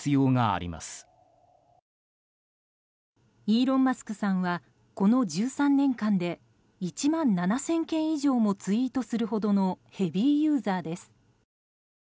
イーロン・マスクさんはこの１３年間で１万７０００件以上もツイートするほどのヘビーユーザーです。